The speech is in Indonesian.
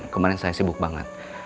kemarin saya sibuk banget